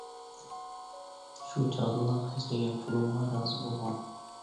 شۇ چاغدىلا خەجلىگەن پۇلۇمغا رازى بولغان.